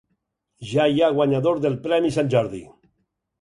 Ja hi ha guanyador del premi Sant Jordi